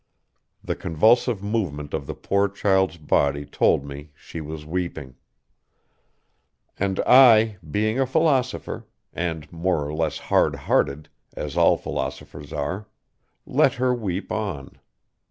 The convulsive movement of the poor child's body told me she was weeping. And I, being a philosopher, and more or less hard hearted, as all philosophers are, let her weep on.